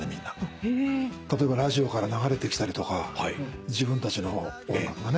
例えばラジオから流れてきたりとか自分たちの音楽がね。